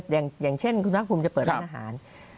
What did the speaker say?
อย่างเช่นคุณภาคภูมิจะเปิดร้านอาหาร